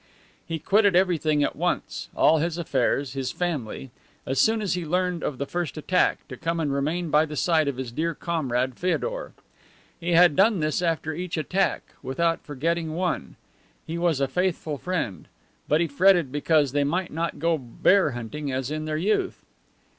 He quitted everything at once all his affairs, his family as soon as he learned of the first attack, to come and remain by the side of his dear comrade Feodor. He had done this after each attack, without forgetting one. He was a faithful friend. But he fretted because they might not go bear hunting as in their youth.